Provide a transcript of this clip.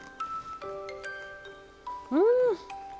うん！